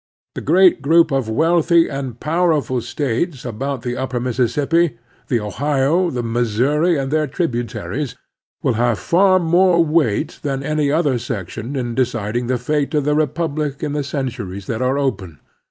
The great group of wealthy and powerful States about the Upper Mis sissippi, the Ohio, the Missotui, and their tribu taries, will have far more weight than any other section in deciding the fate of the republic in the centuries that are opening.